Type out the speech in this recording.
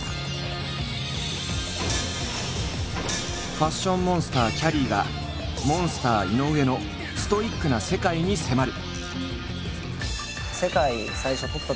ファッションモンスターきゃりーがＭＯＮＳＴＥＲ井上のストイックな世界に迫る！